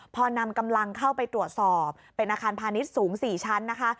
พอนำกำลังเข้าไปตรวจสอบเป็นอาคารพาณิชย์สูง๔ชั้นนะคะ